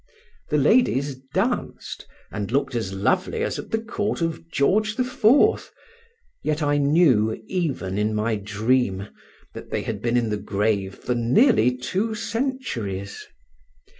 The ladies danced, and looked as lovely as the court of George IV. Yet I knew, even in my dream, that they had been in the grave for nearly two centuries.